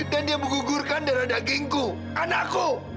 dan dia menggugurkan dana dagingku anakku